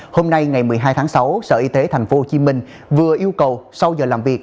hôm nay ngày một mươi hai tháng sáu sở y tế tp hcm vừa yêu cầu sau giờ làm việc